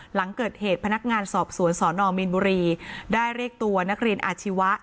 หลังเกิดเหตุพนักงานสอบสวนสนมีนบุรีได้เรียกตัวนักเรียนอาชีวะ